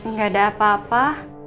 nggak ada apa apa